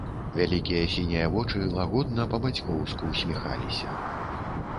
Вялікія сінія вочы лагодна, па-бацькоўску, усміхаліся.